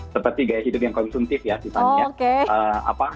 seperti gaya hidup yang konsumtif ya sisanya